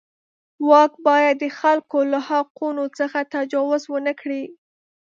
واک باید د خلکو له حقونو څخه تجاوز ونه کړي.